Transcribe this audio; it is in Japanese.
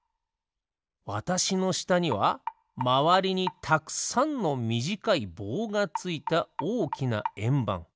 わたしのしたにはまわりにたくさんのみじかいぼうがついたおおきなえんばん。